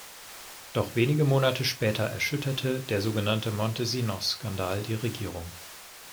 Doch wenige Monate später erschütterte der sogenannte "Montesinos-Skandal" die Regierung.